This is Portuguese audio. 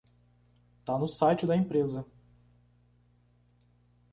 Tá no site da empresa